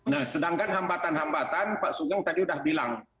nah sedangkan hambatan hambatan pak sugeng tadi udah bilang